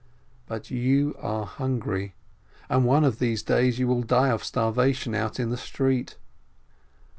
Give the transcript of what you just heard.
But you are hungry, and one of these days you will die of starvation out in the street.